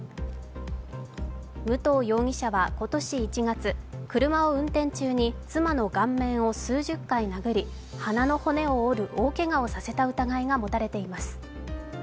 武藤容疑者は今年１月、車を運転中に妻の顔面を数十回を殴り、鼻の骨を折る大けがをさせた疑いが持たれています。